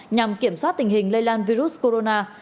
nhằm kiểm soát tình hình lây lan virus corona